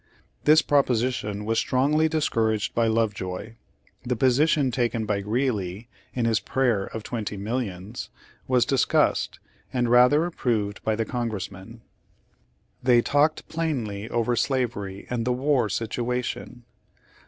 This proposition was strongly discouraged by Lovejoy. The position taken by Greeley in his "Prayer of 12 Page Ninety Twenty Millions," ' was discussed, and rather ap proved by the Congressman. They talked plainly over slavery and the war situation.